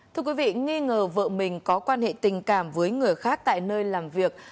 thưa quý vị nghi ngờ vợ mình có quan hệ tình cảm với người khác tại nơi làm việc